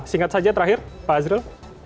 singkat saja terakhir pak azril